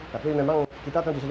tapi memang kita tentu saja